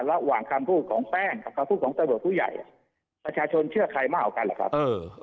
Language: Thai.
ระหว่างคำพูดของแป้งกับคำพูดของตำรวจผู้ใหญ่ประชาชนเชื่อใครมากกว่ากันเหรอครับ